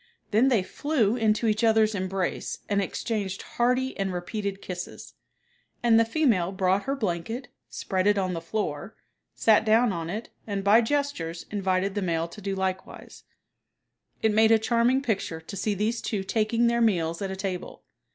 Then they flew into each other's embrace and exchanged hearty and repeated kisses; and the female brought her blanket, spread it on the floor, sat down on it and by gestures invited the male to do likewise. It made a charming picture to see these two taking their meals at a table.